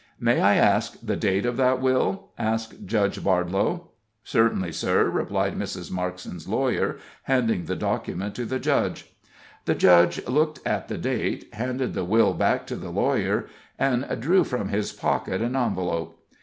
"May I ask the date of that will?" asked Judge Bardlow. "Certainly, sir," replied Mrs. Markson's lawyer, handing the document to the judge. The judge looked at the date, handed the will back to the lawyer, and drew from his pocket an envelope.